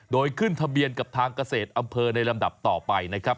โดยขึ้นทะเบียนกับทางเกษตรอำเภอในลำดับต่อไปนะครับ